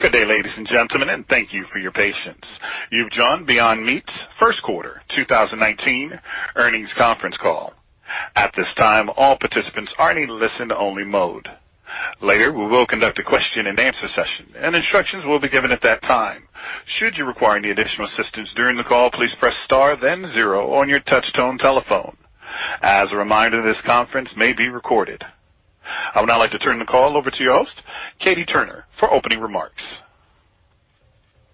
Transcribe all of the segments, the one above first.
Good day, ladies and gentlemen, and thank you for your patience. You've joined Beyond Meat's first quarter 2019 earnings conference call. At this time, all participants are in listen-only mode. Later, we will conduct a question and answer session, and instructions will be given at that time. Should you require any additional assistance during the call, please press star then zero on your touch-tone telephone. As a reminder, this conference may be recorded. I would now like to turn the call over to your host, Katie Turner, for opening remarks.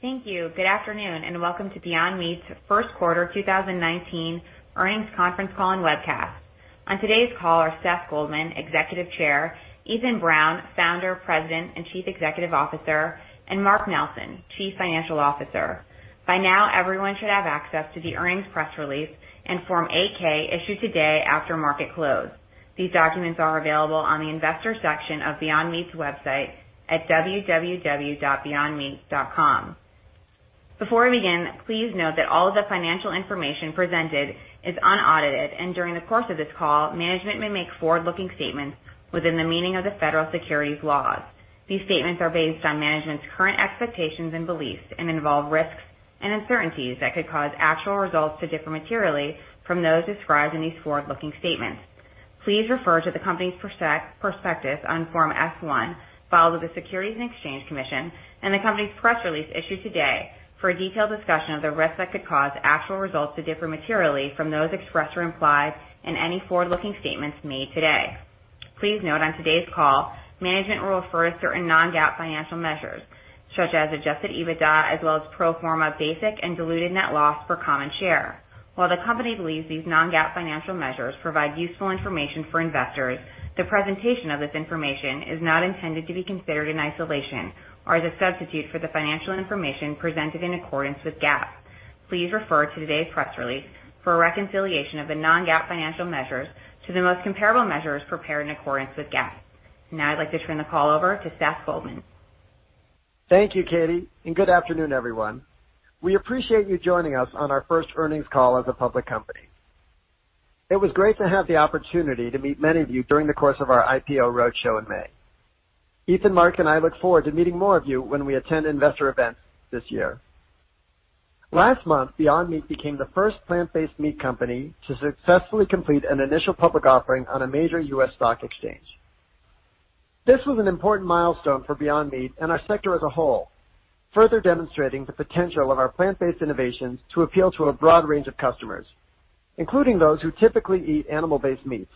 Thank you. Good afternoon, and welcome to Beyond Meat's first quarter 2019 earnings conference call and webcast. On today's call are Seth Goldman, Executive Chair, Ethan Brown, Founder, President, and Chief Executive Officer, and Mark Nelson, Chief Financial Officer. By now, everyone should have access to the earnings press release and Form 8-K issued today after market close. These documents are available on the investors section of beyondmeat.com. Before we begin, please note that all of the financial information presented is unaudited, and during the course of this call, management may make forward-looking statements within the meaning of the federal securities laws. These statements are based on management's current expectations and beliefs and involve risks and uncertainties that could cause actual results to differ materially from those described in these forward-looking statements. Please refer to the company's prospectus on Form S-1, filed with the Securities and Exchange Commission, and the company's press release issued today for a detailed discussion of the risks that could cause actual results to differ materially from those expressed or implied in any forward-looking statements made today. Please note on today's call, management will refer to certain non-GAAP financial measures, such as adjusted EBITDA as well as pro forma basic and diluted net loss per common share. While the company believes these non-GAAP financial measures provide useful information for investors, the presentation of this information is not intended to be considered in isolation or as a substitute for the financial information presented in accordance with GAAP. Please refer to today's press release for a reconciliation of the non-GAAP financial measures to the most comparable measures prepared in accordance with GAAP. Now I'd like to turn the call over to Seth Goldman. Thank you, Katie, and good afternoon, everyone. We appreciate you joining us on our first earnings call as a public company. It was great to have the opportunity to meet many of you during the course of our IPO roadshow in May. Ethan, Mark, and I look forward to meeting more of you when we attend investor events this year. Last month, Beyond Meat became the first plant-based meat company to successfully complete an initial public offering on a major U.S. stock exchange. This was an important milestone for Beyond Meat and our sector as a whole, further demonstrating the potential of our plant-based innovations to appeal to a broad range of customers, including those who typically eat animal-based meats,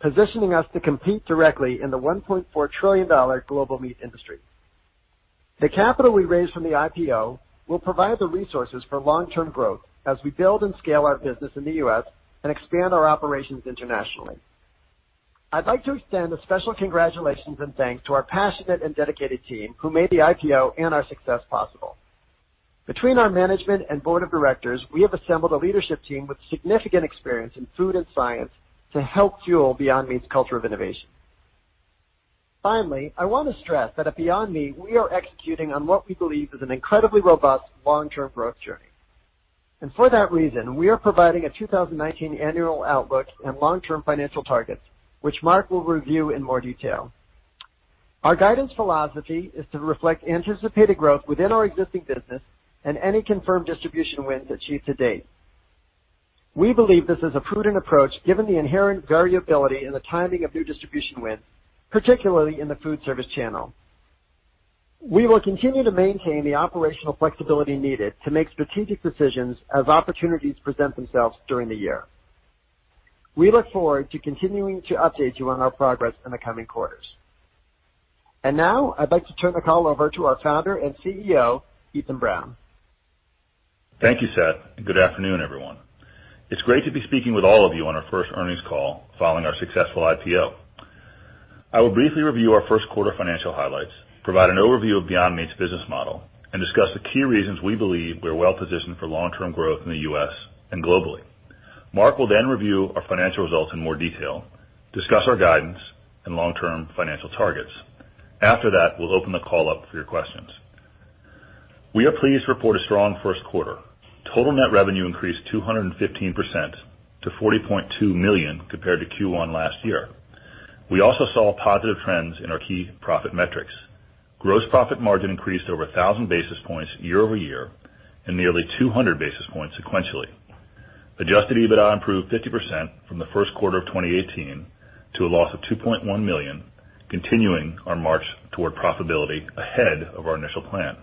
positioning us to compete directly in the $1.4 trillion global meat industry. The capital we raised from the IPO will provide the resources for long-term growth as we build and scale our business in the U.S. and expand our operations internationally. I'd like to extend a special congratulations and thanks to our passionate and dedicated team who made the IPO and our success possible. Between our management and board of directors, we have assembled a leadership team with significant experience in food and science to help fuel Beyond Meat's culture of innovation. Finally, I want to stress that at Beyond Meat, we are executing on what we believe is an incredibly robust long-term growth journey. For that reason, we are providing a 2019 annual outlook and long-term financial targets, which Mark will review in more detail. Our guidance philosophy is to reflect anticipated growth within our existing business and any confirmed distribution wins achieved to date. We believe this is a prudent approach given the inherent variability in the timing of new distribution wins, particularly in the food service channel. We will continue to maintain the operational flexibility needed to make strategic decisions as opportunities present themselves during the year. We look forward to continuing to update you on our progress in the coming quarters. Now, I'd like to turn the call over to our founder and CEO, Ethan Brown. Thank you, Seth, and good afternoon, everyone. It's great to be speaking with all of you on our first earnings call following our successful IPO. I will briefly review our first quarter financial highlights, provide an overview of Beyond Meat's business model, and discuss the key reasons we believe we're well-positioned for long-term growth in the U.S. and globally. Mark will then review our financial results in more detail, discuss our guidance and long-term financial targets. After that, we'll open the call up for your questions. We are pleased to report a strong first quarter. Total net revenue increased 215% to $40.2 million compared to Q1 last year. We also saw positive trends in our key profit metrics. Gross profit margin increased over 1,000 basis points year-over-year and nearly 200 basis points sequentially. Adjusted EBITDA improved 50% from the first quarter of 2018 to a loss of $2.1 million, continuing our march toward profitability ahead of our initial plan.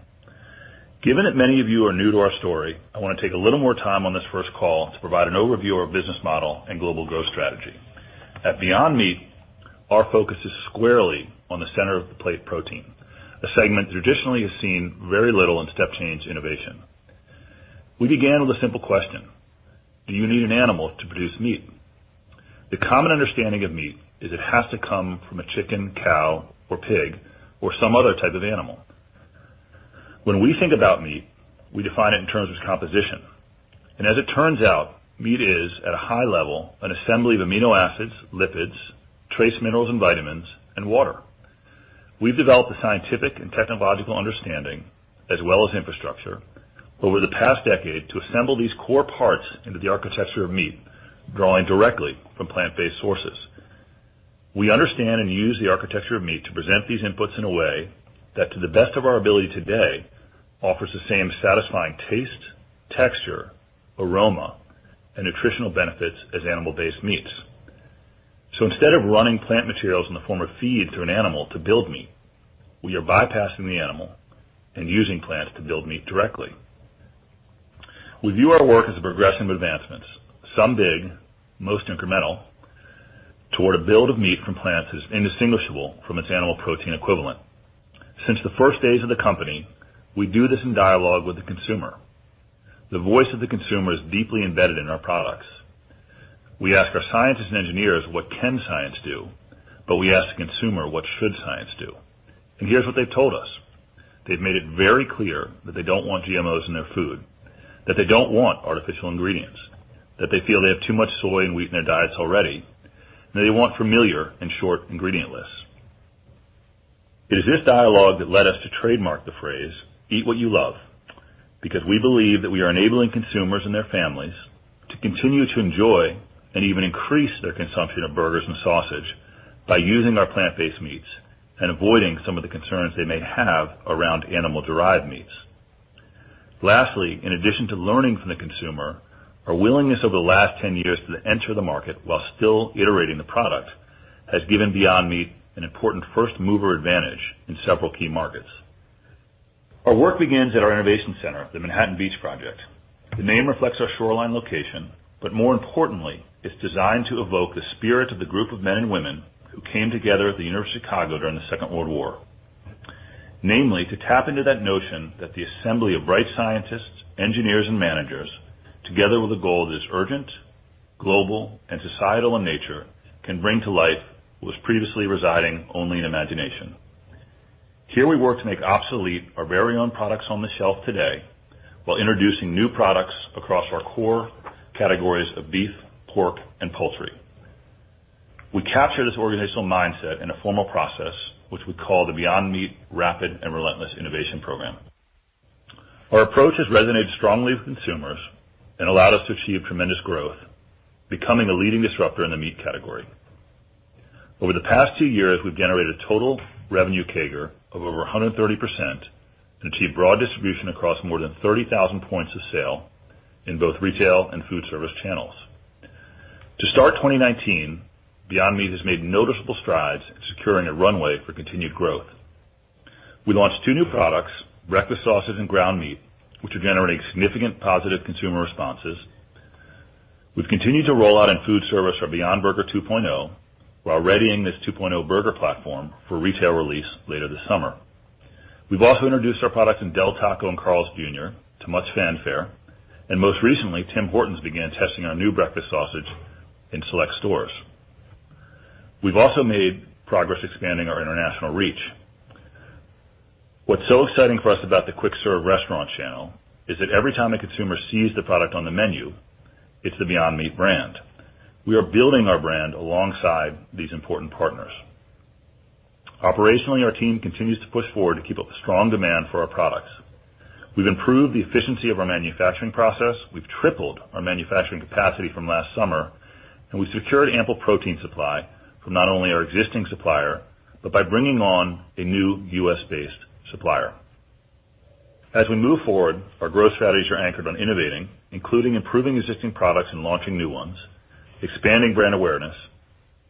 Given that many of you are new to our story, I want to take a little more time on this first call to provide an overview of our business model and global growth strategy. At Beyond Meat, our focus is squarely on the center of the plate protein, a segment that traditionally has seen very little in step-change innovation. We began with a simple question: Do you need an animal to produce meat? The common understanding of meat is it has to come from a chicken, cow, or pig, or some other type of animal. When we think about meat, we define it in terms of composition. As it turns out, meat is, at a high level, an assembly of amino acids, lipids, trace minerals and vitamins, and water. We've developed the scientific and technological understanding as well as infrastructure over the past decade to assemble these core parts into the architecture of meat, drawing directly from plant-based sources. We understand and use the architecture of meat to present these inputs in a way that, to the best of our ability today, offers the same satisfying taste, texture, aroma, and nutritional benefits as animal-based meats. Instead of running plant materials in the form of feed through an animal to build meat, we are bypassing the animal and using plants to build meat directly. We view our work as progressive advancements, some big, most incremental, toward a build of meat from plants that's indistinguishable from its animal protein equivalent. Since the first days of the company, we do this in dialogue with the consumer. The voice of the consumer is deeply embedded in our products. We ask our scientists and engineers what can science do, but we ask the consumer what should science do. Here's what they've told us. They've made it very clear that they don't want GMOs in their food, that they don't want artificial ingredients, that they feel they have too much soy and wheat in their diets already, and they want familiar and short ingredient lists. It is this dialogue that led us to trademark the phrase "Eat What You Love" because we believe that we are enabling consumers and their families to continue to enjoy and even increase their consumption of burgers and sausage by using our plant-based meats and avoiding some of the concerns they may have around animal-derived meats. Lastly, in addition to learning from the consumer, our willingness over the last 10 years to enter the market while still iterating the product has given Beyond Meat an important first-mover advantage in several key markets. Our work begins at our innovation center, the Manhattan Beach Project. The name reflects our shoreline location. More importantly, it's designed to evoke the spirit of the group of men and women who came together at the University of Chicago during the Second World War, namely, to tap into that notion that the assembly of bright scientists, engineers, and managers, together with a goal that is urgent, global, and societal in nature, can bring to life what was previously residing only in imagination. Here we work to make obsolete our very own products on the shelf today while introducing new products across our core categories of beef, pork, and poultry. We capture this organizational mindset in a formal process, which we call the Beyond Meat Rapid and Relentless Innovation Program. Our approach has resonated strongly with consumers and allowed us to achieve tremendous growth, becoming a leading disruptor in the meat category. Over the past two years, we've generated total revenue CAGR of over 130% and achieved broad distribution across more than 30,000 points of sale in both retail and food service channels. To start 2019, Beyond Meat has made noticeable strides in securing a runway for continued growth. We launched two new products, breakfast sausage and ground meat, which are generating significant positive consumer responses. We've continued to roll out in food service our Beyond Burger 2.0, while readying this 2.0 burger platform for retail release later this summer. We've also introduced our product in Del Taco and Carl's Jr. to much fanfare. Most recently, Tim Hortons began testing our new breakfast sausage in select stores. We've also made progress expanding our international reach. What's so exciting for us about the quick serve restaurant channel is that every time the consumer sees the product on the menu, it's the Beyond Meat brand. We are building our brand alongside these important partners. Operationally, our team continues to push forward to keep up with strong demand for our products. We've improved the efficiency of our manufacturing process. We've tripled our manufacturing capacity from last summer. We've secured ample protein supply from not only our existing supplier, but by bringing on a new U.S.-based supplier. As we move forward, our growth strategies are anchored on innovating, including improving existing products and launching new ones, expanding brand awareness,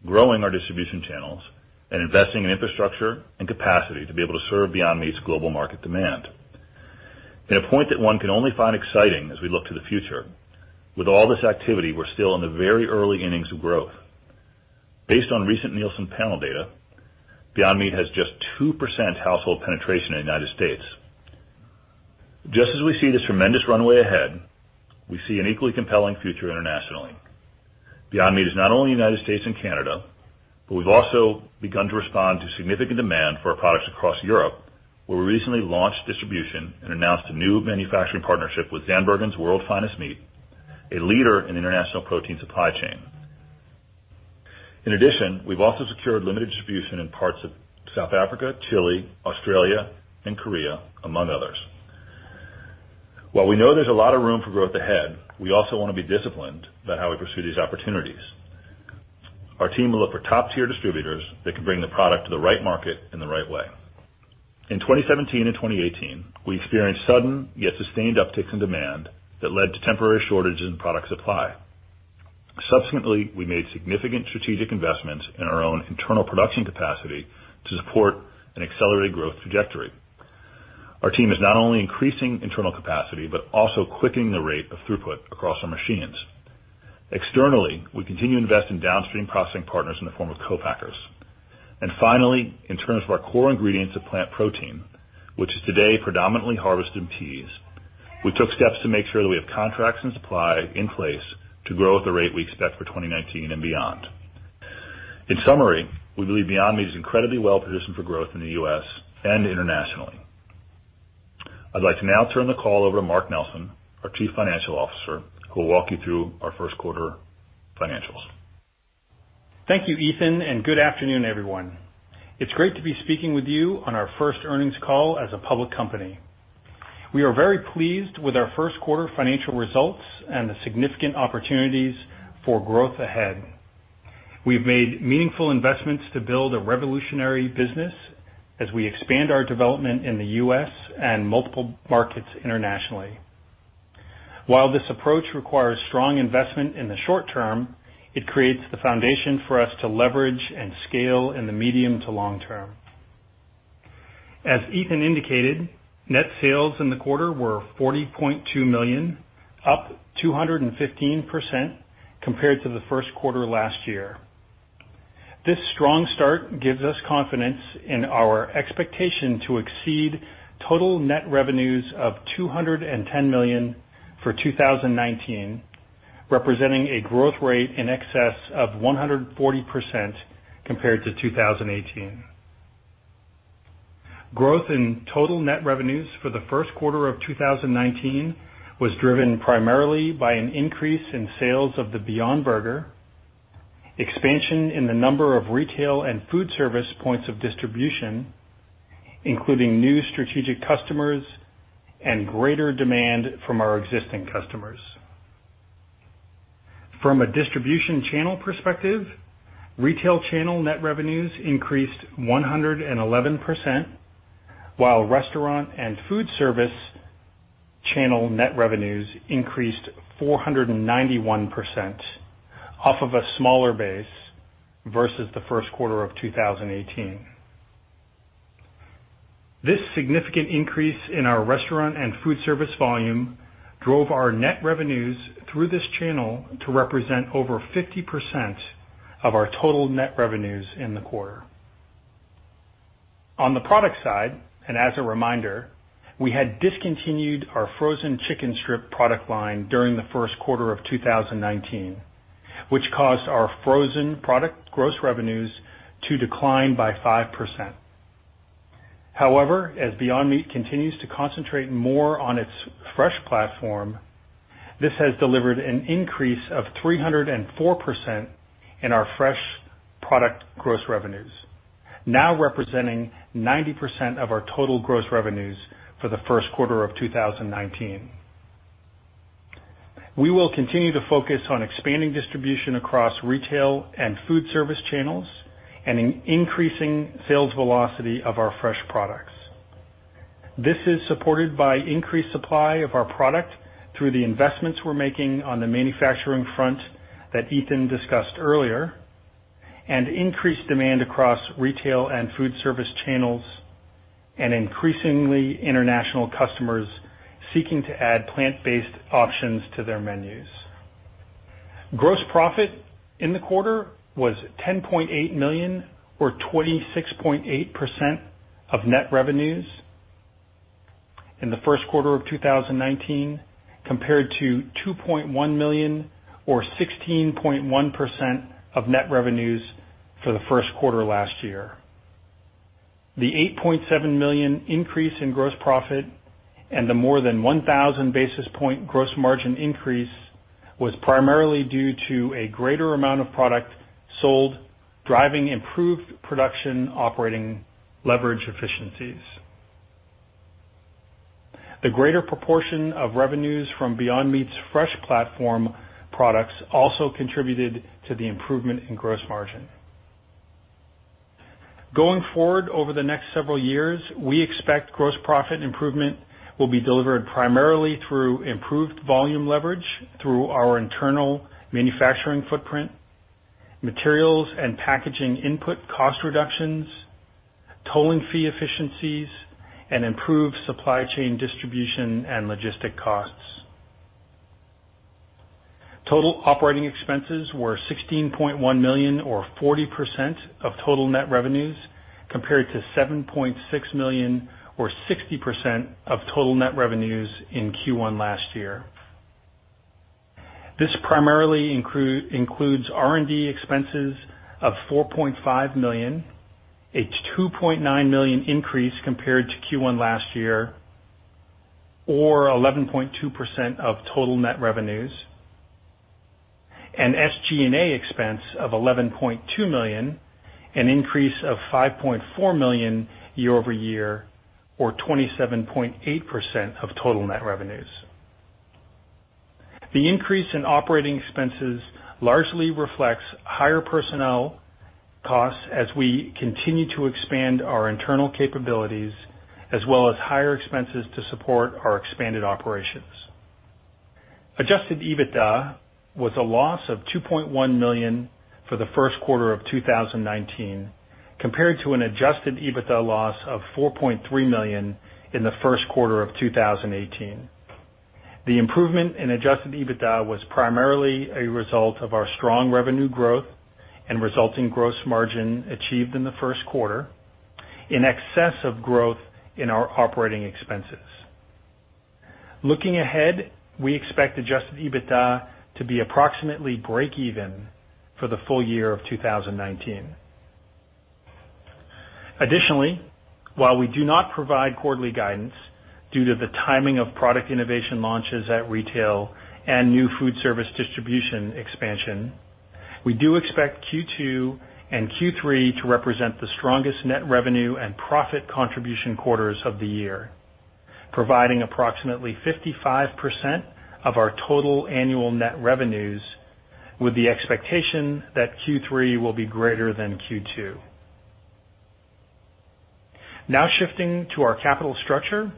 growing our distribution channels, and investing in infrastructure and capacity to be able to serve Beyond Meat's global market demand. In a point that one can only find exciting as we look to the future, with all this activity, we're still in the very early innings of growth. Based on recent Nielsen panel data, Beyond Meat has just 2% household penetration in the United States. Just as we see this tremendous runway ahead, we see an equally compelling future internationally. Beyond Meat is not only in the United States and Canada. We've also begun to respond to significant demand for our products across Europe, where we recently launched distribution and announced a new manufacturing partnership with Zandbergen World's Finest Meat, a leader in international protein supply chain. In addition, we've also secured limited distribution in parts of South Africa, Chile, Australia, and Korea, among others. While we know there's a lot of room for growth ahead, we also want to be disciplined about how we pursue these opportunities. Our team will look for top-tier distributors that can bring the product to the right market in the right way. In 2017 and 2018, we experienced sudden yet sustained upticks in demand that led to temporary shortages in product supply. Subsequently, we made significant strategic investments in our own internal production capacity to support an accelerated growth trajectory. Our team is not only increasing internal capacity but also quickening the rate of throughput across our machines. Externally, we continue to invest in downstream processing partners in the form of co-packers. Finally, in terms of our core ingredients of plant protein, which is today predominantly harvested in peas, we took steps to make sure that we have contracts and supply in place to grow at the rate we expect for 2019 and beyond. In summary, we believe Beyond Meat is incredibly well-positioned for growth in the U.S. and internationally. I'd like to now turn the call over to Mark Nelson, our Chief Financial Officer, who will walk you through our first quarter financials. Thank you, Ethan, and good afternoon, everyone. It's great to be speaking with you on our first earnings call as a public company. We are very pleased with our first quarter financial results and the significant opportunities for growth ahead. We've made meaningful investments to build a revolutionary business as we expand our development in the U.S. and multiple markets internationally. While this approach requires strong investment in the short term, it creates the foundation for us to leverage and scale in the medium to long term. As Ethan indicated, net sales in the quarter were $40.2 million, up 215% compared to the first quarter last year. This strong start gives us confidence in our expectation to exceed total net revenues of $210 million for 2019, representing a growth rate in excess of 140% compared to 2018. Growth in total net revenues for the first quarter of 2019 was driven primarily by an increase in sales of the Beyond Burger, expansion in the number of retail and food service points of distribution, including new strategic customers and greater demand from our existing customers. From a distribution channel perspective, retail channel net revenues increased 111%, while restaurant and food service channel net revenues increased 491% off of a smaller base versus the first quarter of 2018. This significant increase in our restaurant and food service volume drove our net revenues through this channel to represent over 50% of our total net revenues in the quarter. On the product side, and as a reminder, we had discontinued our frozen chicken strip product line during the first quarter of 2019, which caused our frozen product gross revenues to decline by 5%. As Beyond Meat continues to concentrate more on its fresh platform, this has delivered an increase of 304% in our fresh product gross revenues, now representing 90% of our total gross revenues for the first quarter of 2019. We will continue to focus on expanding distribution across retail and food service channels and in increasing sales velocity of our fresh products. This is supported by increased supply of our product through the investments we're making on the manufacturing front that Ethan discussed earlier, and increased demand across retail and food service channels, and increasingly international customers seeking to add plant-based options to their menus. Gross profit in the quarter was $10.8 million or 26.8% of net revenues in the first quarter of 2019, compared to $2.1 million or 16.1% of net revenues for the first quarter last year. The $8.7 million increase in gross profit and the more than 1,000 basis point gross margin increase was primarily due to a greater amount of product sold, driving improved production operating leverage efficiencies. The greater proportion of revenues from Beyond Meat's fresh platform products also contributed to the improvement in gross margin. Over the next several years, we expect gross profit improvement will be delivered primarily through improved volume leverage through our internal manufacturing footprint, materials and packaging input cost reductions, tolling fee efficiencies, and improved supply chain distribution and logistic costs. Total operating expenses were $16.1 million or 40% of total net revenues, compared to $7.6 million or 60% of total net revenues in Q1 last year. This primarily includes R&D expenses of $4.5 million, a $2.9 million increase compared to Q1 last year or 11.2% of total net revenues, and SG&A expense of $11.2 million, an increase of $5.4 million year-over-year or 27.8% of total net revenues. The increase in operating expenses largely reflects higher personnel costs as we continue to expand our internal capabilities as well as higher expenses to support our expanded operations. Adjusted EBITDA was a loss of $2.1 million for the first quarter of 2019, compared to an adjusted EBITDA loss of $4.3 million in the first quarter of 2018. The improvement in adjusted EBITDA was primarily a result of our strong revenue growth and resulting gross margin achieved in the first quarter in excess of growth in our operating expenses. We expect adjusted EBITDA to be approximately break even for the full year of 2019. While we do not provide quarterly guidance due to the timing of product innovation launches at retail and new food service distribution expansion, we do expect Q2 and Q3 to represent the strongest net revenue and profit contribution quarters of the year, providing approximately 55% of our total annual net revenues, with the expectation that Q3 will be greater than Q2. Shifting to our capital structure.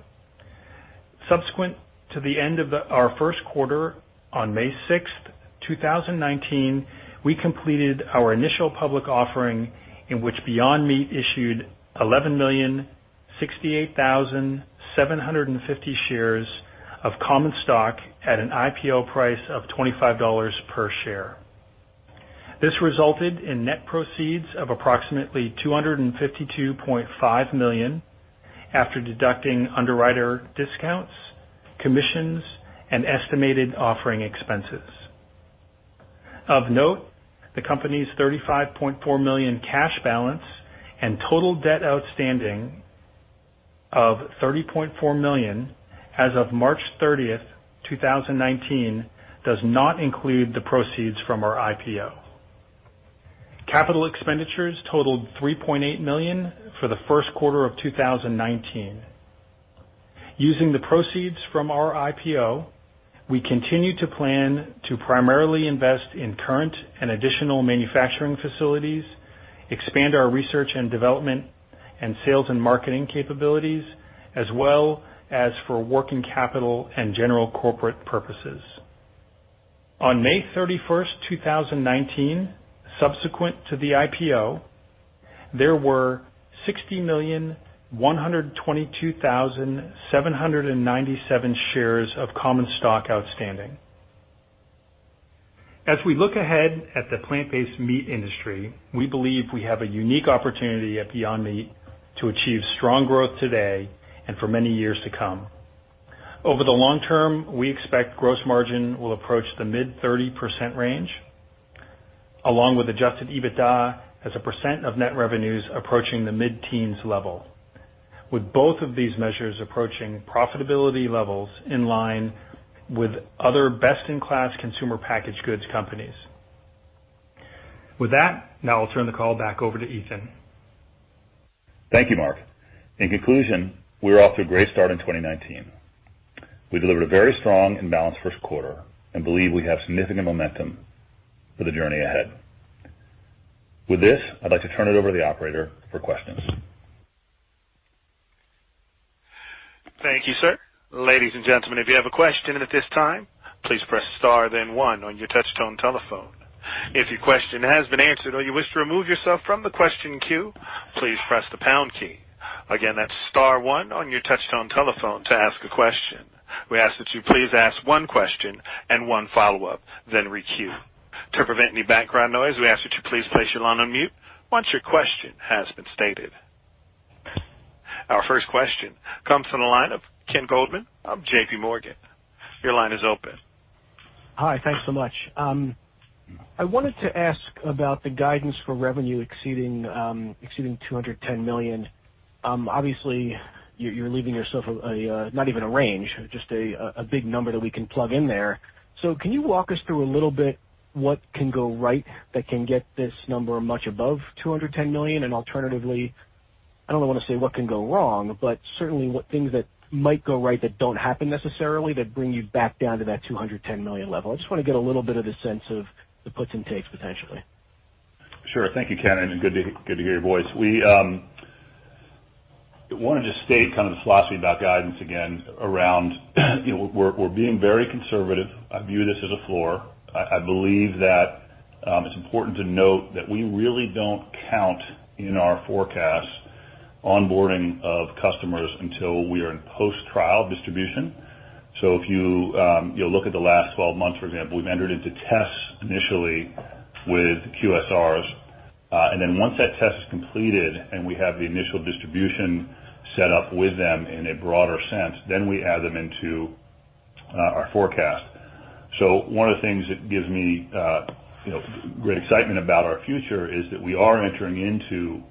Subsequent to the end of our first quarter on May 6th, 2019, we completed our initial public offering in which Beyond Meat issued 11,068,750 shares of common stock at an IPO price of $25 per share. This resulted in net proceeds of approximately $252.5 million after deducting underwriter discounts, commissions, and estimated offering expenses. The company's $35.4 million cash balance and total debt outstanding of $30.4 million as of March 30th, 2019, does not include the proceeds from our IPO. Capital expenditures totaled $3.8 million for the first quarter of 2019. Using the proceeds from our IPO, we continue to plan to primarily invest in current and additional manufacturing facilities, expand our research and development, and sales and marketing capabilities, as well as for working capital and general corporate purposes. On May 31st, 2019, subsequent to the IPO, there were 60,122,797 shares of common stock outstanding. As we look ahead at the plant-based meat industry, we believe we have a unique opportunity at Beyond Meat to achieve strong growth today and for many years to come. Over the long term, we expect gross margin will approach the mid-30% range, along with adjusted EBITDA as a percent of net revenues approaching the mid-teens level, with both of these measures approaching profitability levels in line with other best-in-class consumer packaged goods companies. With that, now I'll turn the call back over to Ethan. Thank you, Mark. In conclusion, we're off to a great start in 2019. We delivered a very strong and balanced first quarter and believe we have significant momentum for the journey ahead. With this, I'd like to turn it over to the operator for questions. Thank you, sir. Ladies and gentlemen, if you have a question at this time, please press star then one on your touchtone telephone. If your question has been answered or you wish to remove yourself from the question queue, please press the pound key. Again, that's star one on your touchtone telephone to ask a question. We ask that you please ask one question and one follow-up, then re-queue. To prevent any background noise, we ask that you please place your line on mute once your question has been stated. Our first question comes from the line of Ken Goldman of J.P. Morgan. Your line is open. Hi. Thanks so much. I wanted to ask about the guidance for revenue exceeding $210 million. Obviously, you're leaving yourself not even a range, just a big number that we can plug in there. Can you walk us through a little bit what can go right that can get this number much above $210 million? Alternatively, I don't want to say what can go wrong, but certainly what things that might go right that don't happen necessarily that bring you back down to that $210 million level? I just want to get a little bit of a sense of the puts and takes potentially. Sure. Thank you, Ken, and good to hear your voice. We want to just state the philosophy about guidance again around we're being very conservative. I view this as a floor. I believe that it's important to note that we really don't count in our forecast onboarding of customers until we are in post-trial distribution. If you look at the last 12 months, for example, we've entered into tests initially with QSRs. Then once that test is completed and we have the initial distribution set up with them in a broader sense, we add them into our forecast. One of the things that gives me great excitement about our future is that we are entering into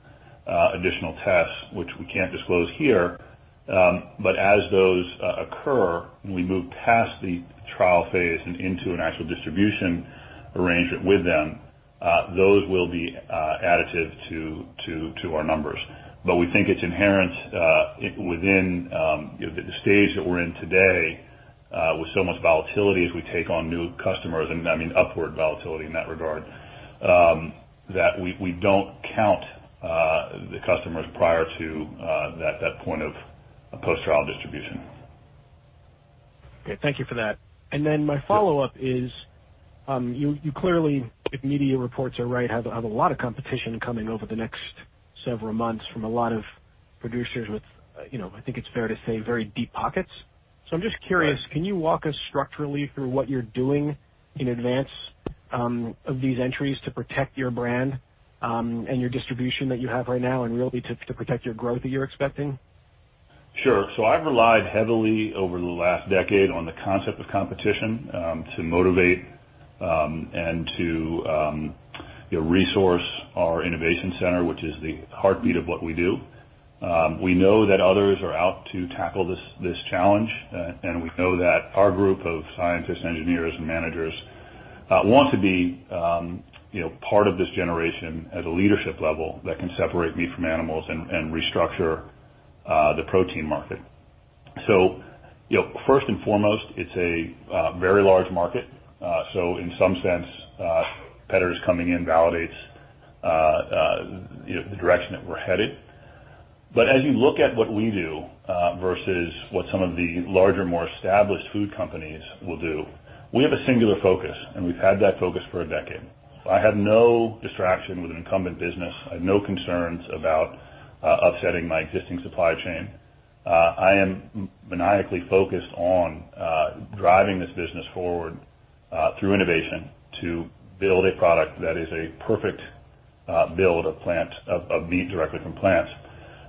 additional tests, which we can't disclose here. As those occur, when we move past the trial phase and into an actual distribution arrangement with them, those will be additive to our numbers. We think it's inherent within the stage that we're in today, with so much volatility as we take on new customers, and I mean upward volatility in that regard, that we don't count the customers prior to that point of post-trial distribution. Okay. Thank you for that. My follow-up is, you clearly, if media reports are right, have a lot of competition coming over the next several months from a lot of producers with, I think it's fair to say, very deep pockets. I'm just curious, can you walk us structurally through what you're doing in advance of these entries to protect your brand and your distribution that you have right now and really to protect your growth that you're expecting? I've relied heavily over the last decade on the concept of competition to motivate and to resource our innovation center, which is the heartbeat of what we do. We know that others are out to tackle this challenge, and we know that our group of scientists, engineers, and managers want to be part of this generation at a leadership level that can separate meat from animals and restructure the protein market. First and foremost, it's a very large market. In some sense, competitors coming in validates the direction that we're headed. As you look at what we do versus what some of the larger, more established food companies will do, we have a singular focus, and we've had that focus for a decade. I have no distraction with an incumbent business. I have no concerns about upsetting my existing supply chain. I am maniacally focused on driving this business forward through innovation to build a product that is a perfect build of meat directly from plants.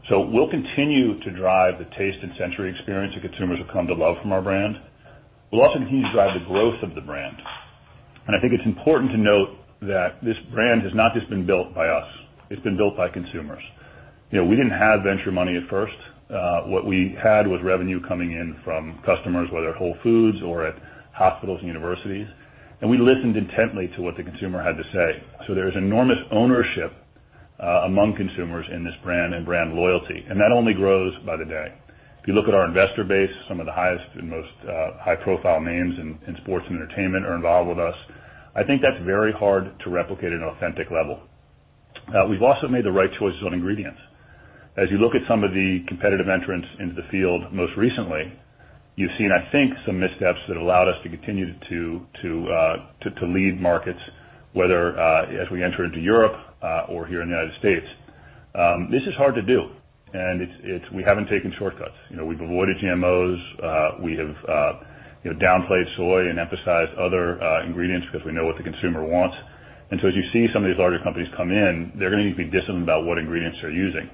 We'll continue to drive the taste and sensory experience that consumers have come to love from our brand. We'll also continue to drive the growth of the brand. I think it's important to note that this brand has not just been built by us. It's been built by consumers. We didn't have venture money at first. What we had was revenue coming in from customers, whether at Whole Foods or at hospitals and universities. And we listened intently to what the consumer had to say. There is enormous ownership among consumers in this brand and brand loyalty, and that only grows by the day. If you look at our investor base, some of the highest and most high-profile names in sports and entertainment are involved with us. I think that's very hard to replicate at an authentic level. We've also made the right choices on ingredients. As you look at some of the competitive entrants into the field most recently, you've seen, I think, some missteps that allowed us to continue to lead markets, whether as we enter into Europe or here in the U.S. This is hard to do, and we haven't taken shortcuts. We've avoided GMOs. We have downplayed soy and emphasized other ingredients because we know what the consumer wants. And as you see some of these larger companies come in, they're going to need to be disciplined about what ingredients they're using.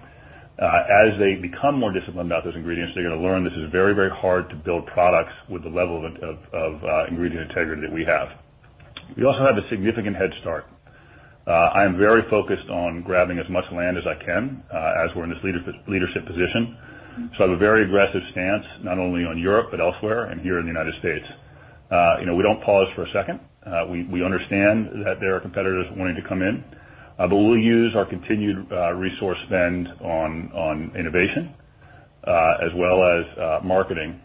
As they become more disciplined about those ingredients, they're going to learn this is very, very hard to build products with the level of ingredient integrity that we have. We also have a significant head start. I am very focused on grabbing as much land as I can as we're in this leadership position. I have a very aggressive stance, not only on Europe, but elsewhere and here in the U.S. We don't pause for a second. We understand that there are competitors wanting to come in. We'll use our continued resource spend on innovation as well as marketing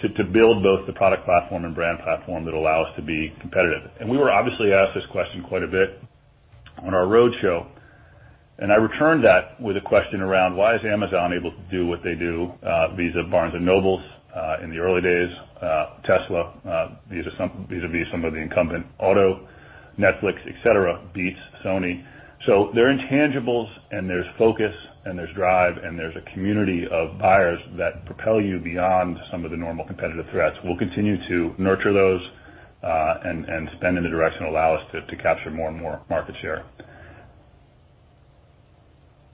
to build both the product platform and brand platform that allow us to be competitive. We were obviously asked this question quite a bit on our roadshow, and I returned that with a question around why is Amazon able to do what they do vis-à-vis Barnes & Noble in the early days, Tesla vis-à-vis some of the incumbent auto, Netflix, et cetera, Beats, Sony. There are intangibles, and there's focus, and there's drive, and there's a community of buyers that propel you beyond some of the normal competitive threats. We'll continue to nurture those and spend in the direction that allow us to capture more and more market share.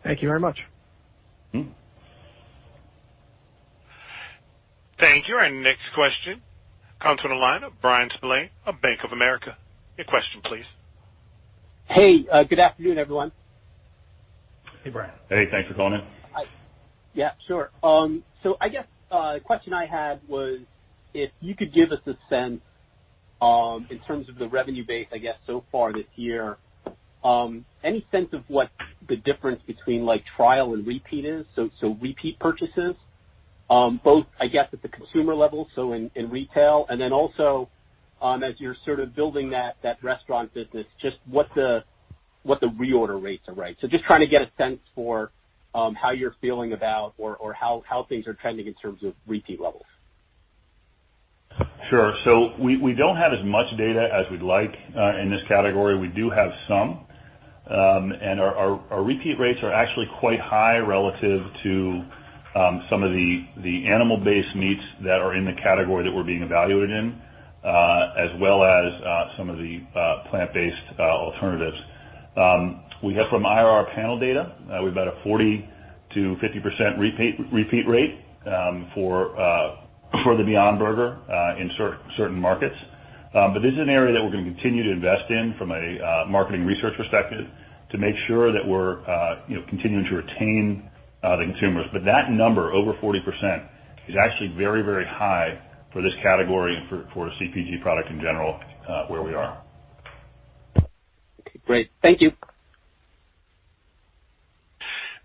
Thank you very much. Mm-hmm. Thank you. Our next question comes on the line, Bryan Spillane of Bank of America. Your question, please. Hey, good afternoon, everyone. Hey, Bryan. Hey, thanks for calling in. Yeah, sure. I guess a question I had was if you could give us a sense in terms of the revenue base, I guess so far this year. Any sense of what the difference between trial and repeat is? Repeat purchases, both, I guess at the consumer level, so in retail, and then also as you're sort of building that restaurant business, just what the reorder rates are, right? Just trying to get a sense for how you're feeling about or how things are trending in terms of repeat levels. Sure. We don't have as much data as we'd like in this category. We do have some. Our repeat rates are actually quite high relative to some of the animal-based meats that are in the category that we're being evaluated in, as well as some of the plant-based alternatives. We have some IRI panel data. We've got a 40%-50% repeat rate for the Beyond Burger in certain markets. This is an area that we're going to continue to invest in from a marketing research perspective to make sure that we're continuing to retain the consumers. That number, over 40%, is actually very high for this category and for a CPG product in general where we are. Okay, great. Thank you.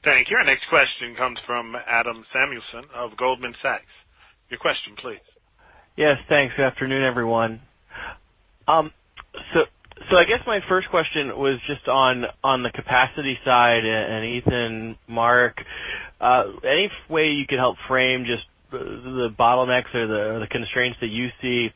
Thank you. Our next question comes from Adam Samuelson of Goldman Sachs. Your question, please. Yes, thanks. Afternoon, everyone. I guess my first question was just on the capacity side, and Ethan, Mark, any way you could help frame just the bottlenecks or the constraints that you see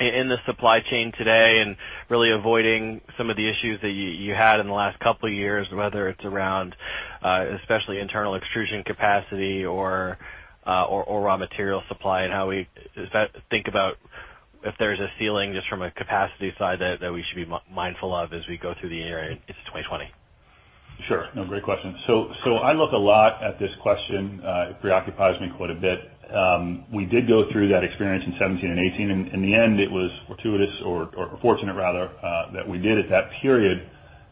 in the supply chain today and really avoiding some of the issues that you had in the last couple of years, whether it's around especially internal extrusion capacity or raw material supply, and how we think about if there's a ceiling just from a capacity side that we should be mindful of as we go through the year into 2020? Sure. No, great question. I look a lot at this question. It preoccupies me quite a bit. We did go through that experience in 2017 and 2018, and in the end it was fortuitous or fortunate rather that we did at that period.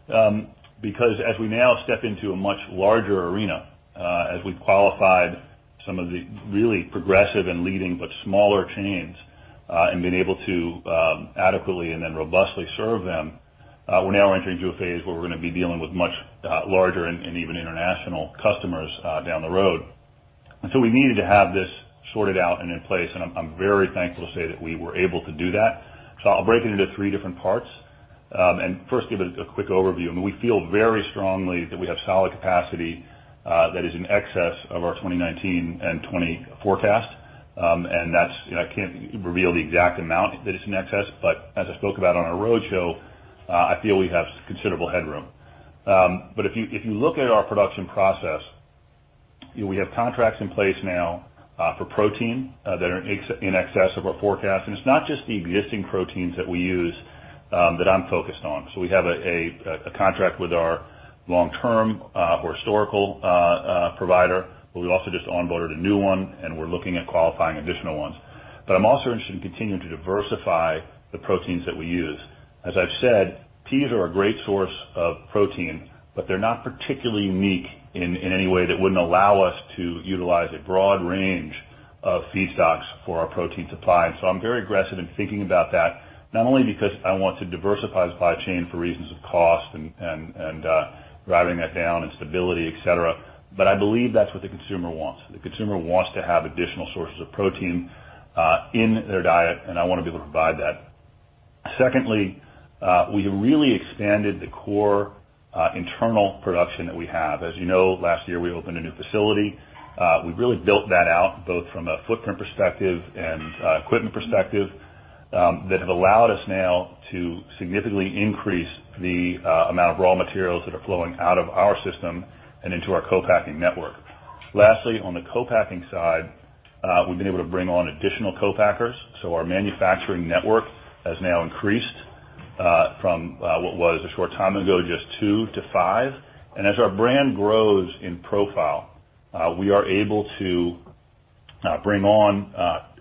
As we now step into a much larger arena, as we've qualified some of the really progressive and leading, but smaller chains, and been able to adequately and then robustly serve them. We're now entering into a phase where we're going to be dealing with much larger and even international customers down the road. We needed to have this sorted out and in place, and I'm very thankful to say that we were able to do that. I'll break it into three different parts. First, give a quick overview. We feel very strongly that we have solid capacity, that is in excess of our 2019 and 2020 forecast. I can't reveal the exact amount that it's in excess, but as I spoke about on our roadshow, I feel we have considerable headroom. If you look at our production process, we have contracts in place now, for protein, that are in excess of our forecast. It's not just the existing proteins that we use, that I'm focused on. We have a contract with our long-term, historical provider, but we've also just onboarded a new one, and we're looking at qualifying additional ones. I'm also interested in continuing to diversify the proteins that we use. As I've said, peas are a great source of protein, but they're not particularly unique in any way that wouldn't allow us to utilize a broad range of feedstocks for our protein supply. I'm very aggressive in thinking about that, not only because I want to diversify the supply chain for reasons of cost and driving that down and stability, et cetera, but I believe that's what the consumer wants. The consumer wants to have additional sources of protein in their diet, and I want to be able to provide that. Secondly, we've really expanded the core internal production that we have. As you know, last year we opened a new facility. We've really built that out, both from a footprint perspective and equipment perspective, that have allowed us now to significantly increase the amount of raw materials that are flowing out of our system and into our co-packing network. Lastly, on the co-packing side, we've been able to bring on additional co-packers. Our manufacturing network has now increased, from what was a short time ago, just two to five. As our brand grows in profile, we are able to bring on,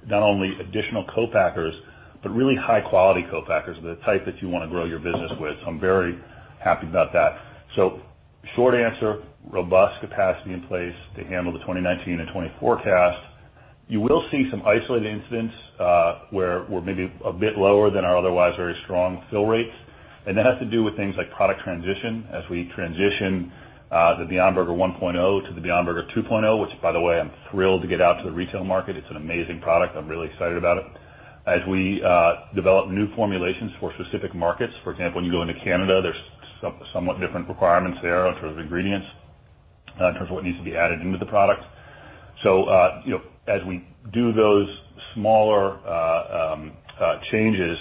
not only additional co-packers, but really high-quality co-packers, the type that you want to grow your business with. I'm very happy about that. Short answer, robust capacity in place to handle the 2019 and 2020 forecast. You will see some isolated incidents, where we're maybe a bit lower than our otherwise very strong fill rates. That has to do with things like product transition as we transition the Beyond Burger 1.0 to the Beyond Burger 2.0, which by the way, I'm thrilled to get out to the retail market. It's an amazing product. I'm really excited about it. As we develop new formulations for specific markets, for example, when you go into Canada, there's somewhat different requirements there in terms of ingredients, in terms of what needs to be added into the product. As we do those smaller changes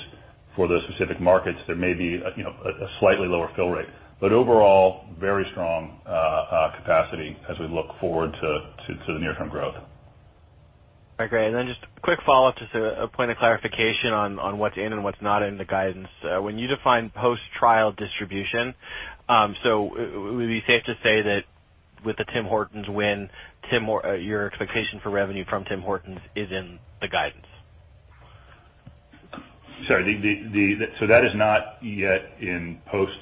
for those specific markets, there may be a slightly lower fill rate. Overall, very strong capacity as we look forward to the near-term growth. All right, great. Just a quick follow-up, just a point of clarification on what's in and what's not in the guidance. When you define post-trial distribution, would it be safe to say that with the Tim Hortons win, your expectation for revenue from Tim Hortons is in the guidance? Sorry. That is not yet in post.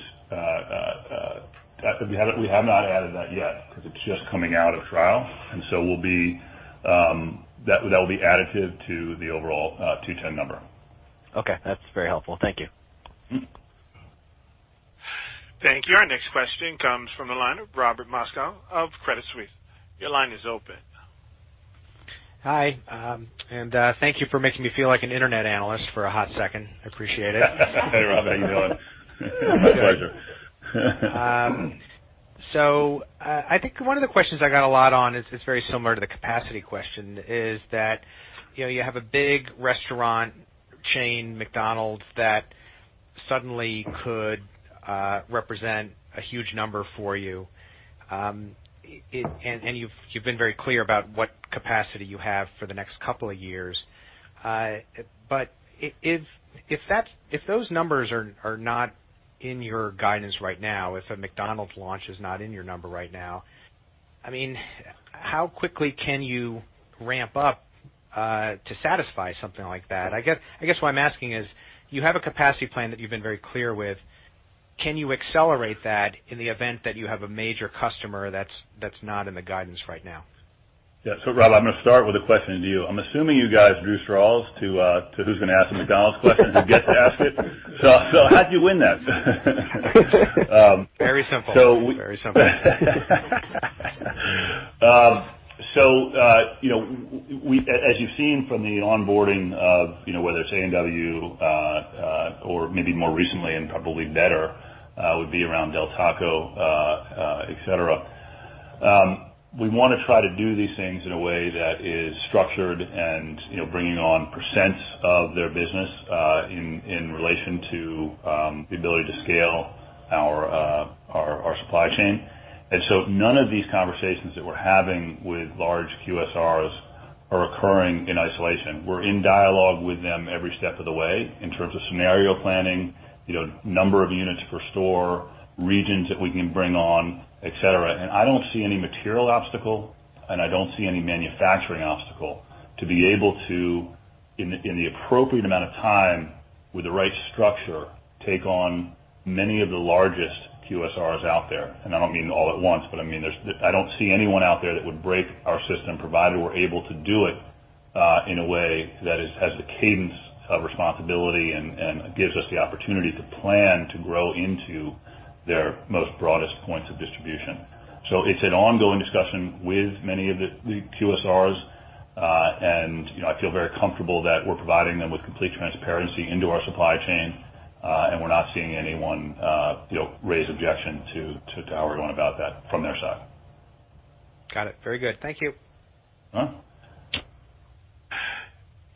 We have not added that yet because it's just coming out of trial, that will be additive to the overall 210 number. Okay. That's very helpful. Thank you. Thank you. Our next question comes from the line of Robert Moskow of Credit Suisse. Your line is open. Hi, thank you for making me feel like an internet analyst for a hot second. I appreciate it. Hey, Rob. How are you doing? My pleasure. I think one of the questions I got a lot on is very similar to the capacity question, is that, you have a big restaurant chain, McDonald's, that suddenly could represent a huge number for you. You've been very clear about what capacity you have for the next couple of years. If those numbers are not in your guidance right now, if a McDonald's launch is not in your number right now, how quickly can you ramp up to satisfy something like that? I guess what I'm asking is, you have a capacity plan that you've been very clear with. Can you accelerate that in the event that you have a major customer that's not in the guidance right now? Yeah. Rob, I'm going to start with a question to you. I'm assuming you guys drew straws to who's going to ask the McDonald's question or who gets to ask it. How'd you win that? Very simple. As you've seen from the onboarding of whether it's A&W, or maybe more recently and probably better, would be around Del Taco, et cetera. We want to try to do these things in a way that is structured and bringing on percents of their business, in relation to the ability to scale our supply chain. None of these conversations that we're having with large QSRs are occurring in isolation. We're in dialogue with them every step of the way in terms of scenario planning, number of units per store, regions that we can bring on, et cetera. I don't see any material obstacle, and I don't see any manufacturing obstacle to be able to, in the appropriate amount of time with the right structure, take on many of the largest QSRs out there. I don't mean all at once, I mean, I don't see anyone out there that would break our system, provided we're able to do it in a way that has the cadence of responsibility and gives us the opportunity to plan to grow into their most broadest points of distribution. It's an ongoing discussion with many of the QSRs. I feel very comfortable that we're providing them with complete transparency into our supply chain. We're not seeing anyone raise objection to how we're going about that from their side. Got it. Very good. Thank you.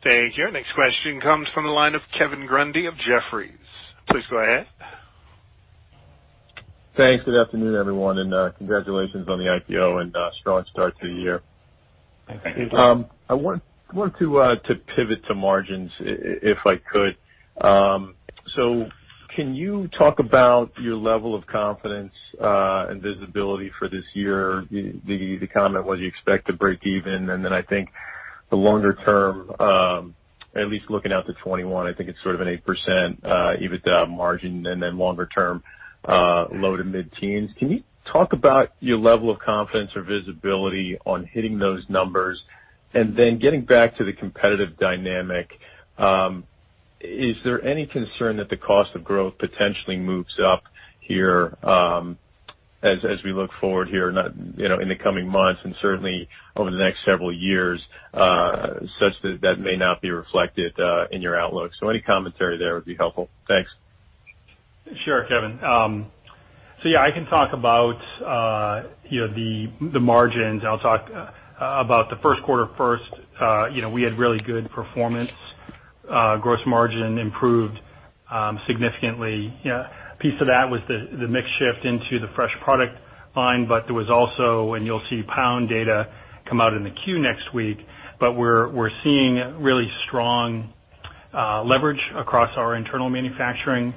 Thank you. Next question comes from the line of Kevin Grundy of Jefferies. Please go ahead. Thanks. Good afternoon, everyone, congratulations on the IPO and a strong start to the year. Thanks, Kevin Grundy. I want to pivot to margins, if I could. Can you talk about your level of confidence and visibility for this year? The comment was you expect to break even, and then I think the longer term, at least looking out to 2021, I think it's sort of an 8% EBITDA margin and then longer term, low to mid-teens. Can you talk about your level of confidence or visibility on hitting those numbers? Getting back to the competitive dynamic, is there any concern that the cost of growth potentially moves up here as we look forward here in the coming months and certainly over the next several years, such that that may not be reflected in your outlook? Any commentary there would be helpful. Thanks. Sure, Kevin Grundy. Yeah, I can talk about the margins. I'll talk about the first quarter first. We had really good performance. Gross margin improved significantly. A piece of that was the mix shift into the fresh product line, but there was also, and you'll see pound data come out in the Q next week, but we're seeing really strong leverage across our internal manufacturing.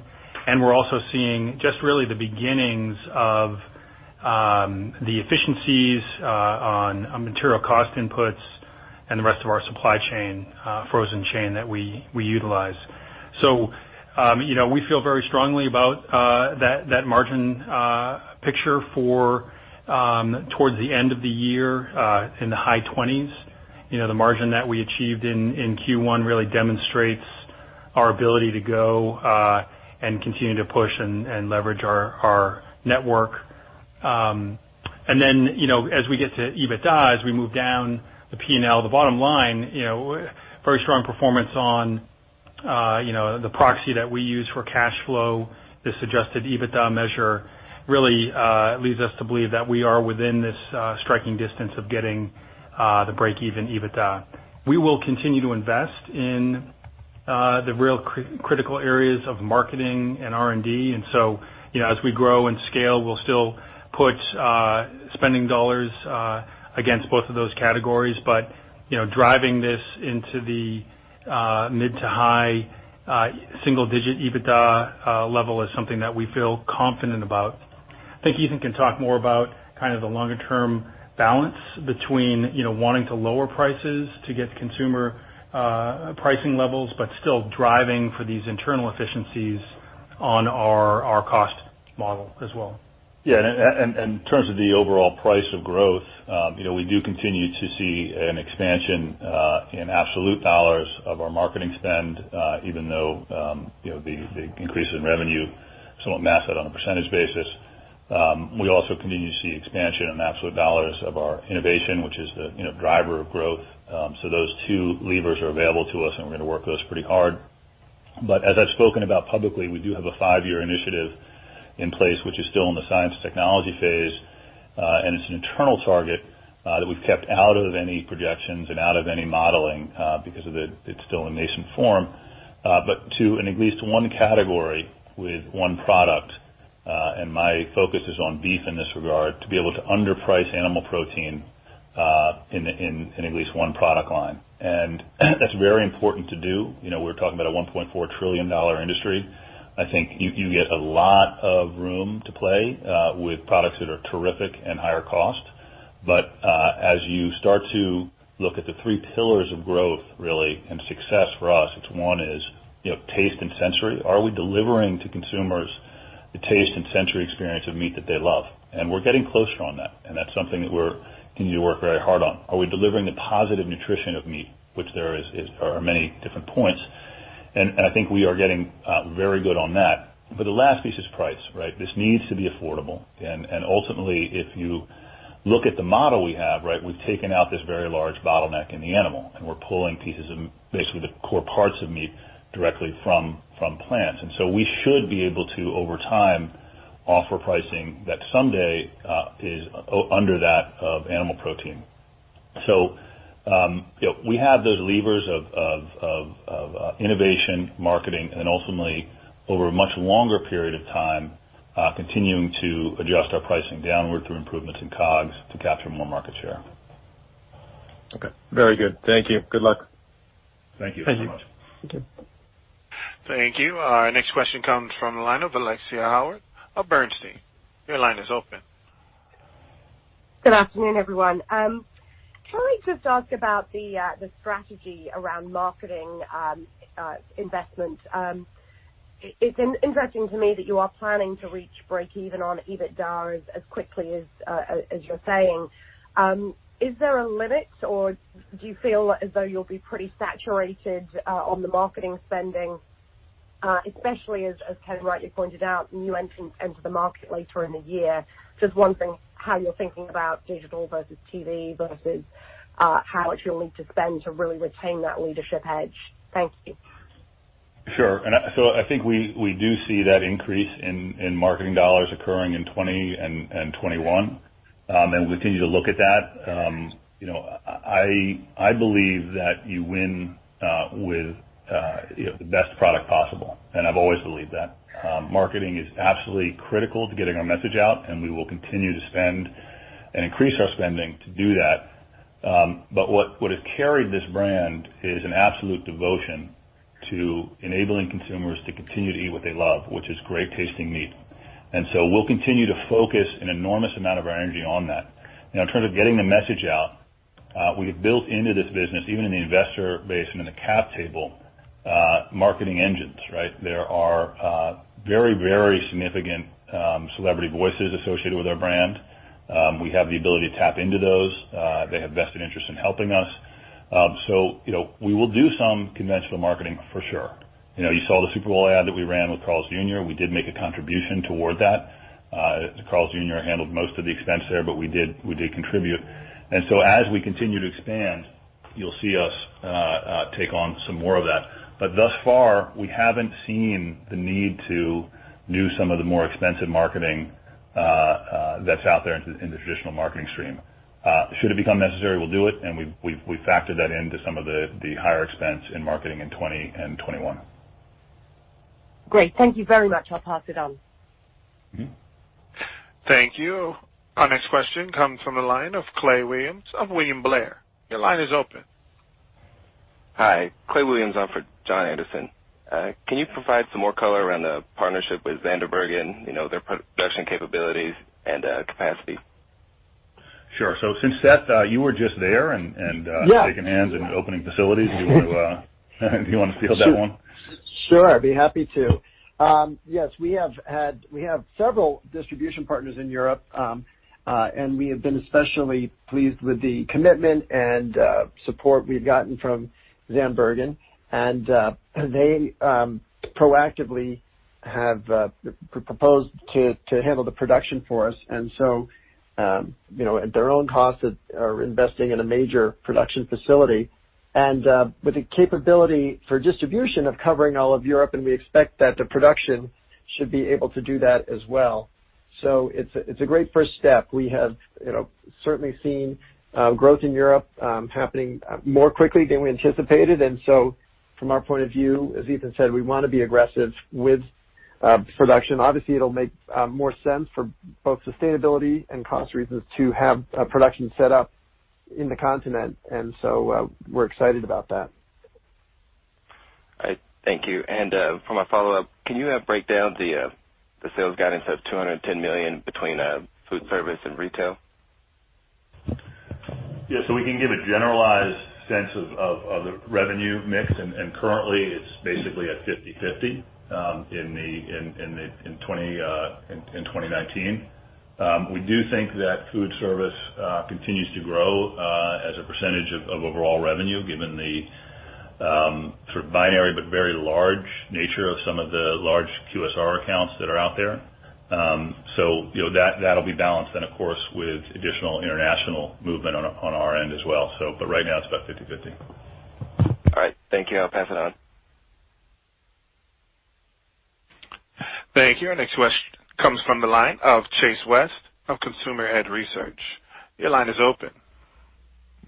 We're also seeing just really the beginnings of the efficiencies on material cost inputs and the rest of our supply chain, frozen chain that we utilize. We feel very strongly about that margin picture for towards the end of the year, in the high 20s. The margin that we achieved in Q1 really demonstrates our ability to go and continue to push and leverage our network. As we get to EBITDA, as we move down the P&L, the bottom line, very strong performance on the proxy that we use for cash flow. This adjusted EBITDA measure really leads us to believe that we are within this striking distance of getting the break-even EBITDA. We will continue to invest in the real critical areas of marketing and R&D. As we grow and scale, we'll still put spending dollars against both of those categories. Driving this into the mid to high single-digit EBITDA level is something that we feel confident about. I think Ethan Brown can talk more about the longer-term balance between wanting to lower prices to get consumer pricing levels, but still driving for these internal efficiencies on our cost model as well. In terms of the overall price of growth, we do continue to see an expansion in absolute dollars of our marketing spend, even though the increase in revenue somewhat masks it on a percentage basis. We also continue to see expansion in absolute dollars of our innovation, which is the driver of growth. Those two levers are available to us, we're going to work those pretty hard. As I've spoken about publicly, we do have a five-year initiative in place, which is still in the science technology phase. It's an internal target that we've kept out of any projections and out of any modeling because it's still in nascent form. To and at least one category with one product, my focus is on beef in this regard, to be able to underprice animal protein in at least one product line. That's very important to do. We're talking about a $1.4 trillion industry. I think you get a lot of room to play with products that are terrific and higher cost. As you start to look at the three pillars of growth, really, and success for us, it's one is, taste and sensory. Are we delivering to consumers the taste and sensory experience of meat that they love? We're getting closer on that's something that we're continuing to work very hard on. Are we delivering the positive nutrition of meat, which there are many different points. I think we are getting very good on that. The last piece is price, right? This needs to be affordable. Ultimately, if you look at the model we have, right? We've taken out this very large bottleneck in the animal, we're pulling pieces of basically the core parts of meat directly from plants. We should be able to, over time, offer pricing that someday is under that of animal protein. We have those levers of innovation, marketing, and ultimately, over a much longer period of time, continuing to adjust our pricing downward through improvements in COGS to capture more market share. Okay. Very good. Thank you. Good luck. Thank you so much. Thank you. Thank you. Our next question comes from the line of Alexia Howard of Bernstein. Your line is open. Good afternoon, everyone. Can I just ask about the strategy around marketing investment? It's interesting to me that you are planning to reach breakeven on EBITDA as quickly as you're saying. Is there a limit or do you feel as though you'll be pretty saturated on the marketing spending, especially, as Ken rightly pointed out, new entrants enter the market later in the year? Just wondering how you're thinking about digital versus TV versus how much you'll need to spend to really retain that leadership edge. Thank you. Sure. I think we do see that increase in marketing dollars occurring in 2020 and 2021. We continue to look at that. I believe that you win with the best product possible, and I've always believed that. Marketing is absolutely critical to getting our message out, and we will continue to spend and increase our spending to do that. What has carried this brand is an absolute devotion to enabling consumers to continue to Eat What You Love, which is great-tasting meat. We'll continue to focus an enormous amount of our energy on that. In terms of getting the message out, we have built into this business, even in the investor base and in the cap table, marketing engines, right? There are very significant celebrity voices associated with our brand. We have the ability to tap into those. They have vested interest in helping us. We will do some conventional marketing for sure. You saw the Super Bowl ad that we ran with Carl's Jr. We did make a contribution toward that. Carl's Jr. handled most of the expense there, but we did contribute. As we continue to expand, you'll see us take on some more of that. Thus far, we haven't seen the need to do some of the more expensive marketing that's out there in the traditional marketing stream. Should it become necessary, we'll do it, and we factored that into some of the higher expense in marketing in 2020 and 2021. Great. Thank you very much. I'll pass it on. Thank you. Our next question comes from the line of Clay Williams of William Blair. Your line is open. Hi. Clay Williams on for Jon Andersen. Can you provide some more color around the partnership with Zandbergen, their production capabilities and capacity? Sure. Since that, you were just there and- Yeah shaking hands and opening facilities. Do you want to field that one? Sure. I'd be happy to. Yes, we have several distribution partners in Europe. We have been especially pleased with the commitment and support we've gotten from Zandbergen. They proactively have proposed to handle the production for us. At their own cost, are investing in a major production facility and with the capability for distribution of covering all of Europe, and we expect that the production should be able to do that as well. It's a great first step. We have certainly seen growth in Europe happening more quickly than we anticipated. From our point of view, as Ethan said, we want to be aggressive with production. Obviously, it'll make more sense for both sustainability and cost reasons to have production set up in the continent. We're excited about that. All right. Thank you. For my follow-up, can you break down the sales guidance of $210 million between food service and retail? Yeah. We can give a generalized sense of the revenue mix, and currently, it's basically at 50/50 in 2019. We do think that food service continues to grow as a percentage of overall revenue given the sort of binary but very large nature of some of the large QSR accounts that are out there. That'll be balanced then, of course, with additional international movement on our end as well. Right now, it's about 50/50. All right. Thank you. I'll pass it on. Thank you. Our next question comes from the line of Chase West of Consumer Edge Research. Your line is open.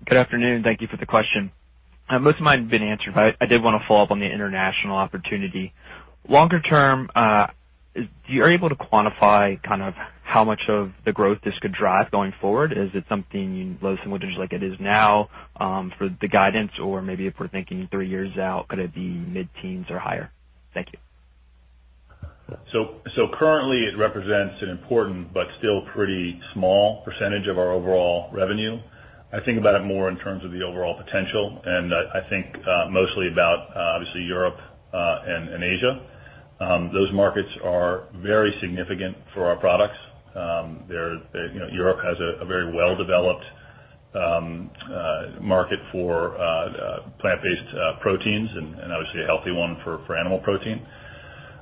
Good afternoon. Thank you for the question. Most of mine have been answered, but I did want to follow up on the international opportunity. Longer term, are you able to quantify how much of the growth this could drive going forward? Is it something low single digits like it is now for the guidance? Or maybe if we're thinking three years out, could it be mid-teens or higher? Thank you. Currently, it represents an important but still pretty small percentage of our overall revenue. I think about it more in terms of the overall potential, and I think mostly about, obviously, Europe and Asia. Those markets are very significant for our products. Europe has a very well-developed market for plant-based proteins and obviously a healthy one for animal protein.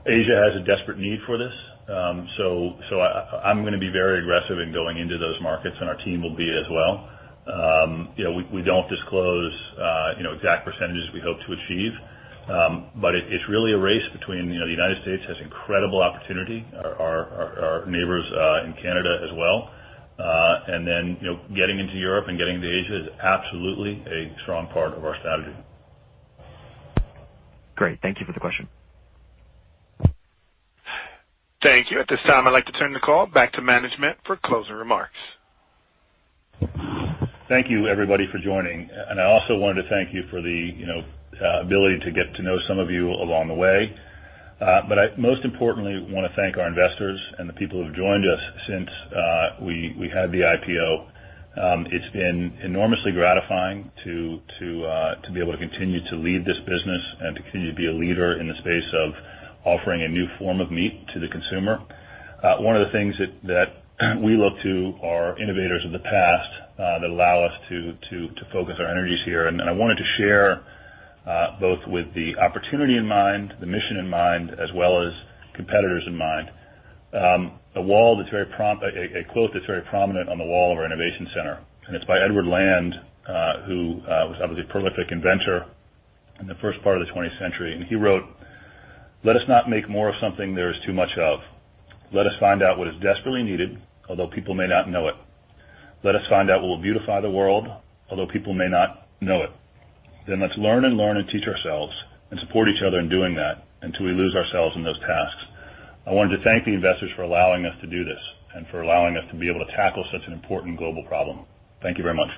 Asia has a desperate need for this. I'm going to be very aggressive in going into those markets, and our team will be as well. We don't disclose exact percentages we hope to achieve. It's really a race between the United States has incredible opportunity, our neighbors in Canada as well. Then getting into Europe and getting into Asia is absolutely a strong part of our strategy. Great. Thank you for the question. Thank you. At this time, I'd like to turn the call back to management for closing remarks. Thank you, everybody, for joining. I also wanted to thank you for the ability to get to know some of you along the way. I most importantly want to thank our investors and the people who have joined us since we had the IPO. It's been enormously gratifying to be able to continue to lead this business and to continue to be a leader in the space of offering a new form of meat to the consumer. One of the things that we look to are innovators of the past that allow us to focus our energies here. I wanted to share both with the opportunity in mind, the mission in mind, as well as competitors in mind. A quote that's very prominent on the wall of our innovation center, and it's by Edwin Land, who was obviously a prolific inventor in the first part of the 20th century. He wrote, "Let us not make more of something there is too much of. Let us find out what is desperately needed, although people may not know it. Let us find out what will beautify the world, although people may not know it. Let's learn and learn and teach ourselves and support each other in doing that until we lose ourselves in those tasks." I wanted to thank the investors for allowing us to do this and for allowing us to be able to tackle such an important global problem. Thank you very much.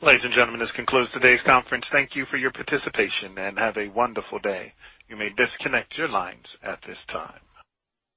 Ladies and gentlemen, this concludes today's conference. Thank you for your participation, and have a wonderful day. You may disconnect your lines at this time.